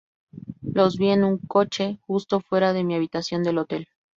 Los vi en un coche justo fuera de mi habitación del hotel.